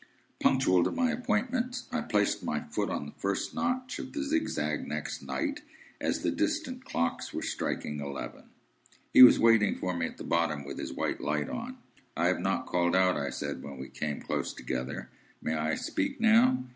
Punctual to my appointment, I placed my foot on the first notch of the zigzag next night, as the distant clocks were striking eleven. He was waiting for me at the bottom, with his white light on. "I have not called out," I said, when we came close together; "may I speak now?"